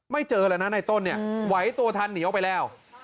เจอแล้วนะในต้นเนี่ยไหวตัวทันหนีออกไปแล้ว